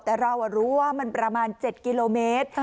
แต่เรารู้ว่ามันประมาณ๗กิโลเมตร